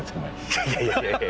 いやいやいやいや。